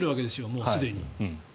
もうすでに。